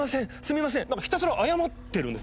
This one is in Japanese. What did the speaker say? ひたすら謝ってるんです。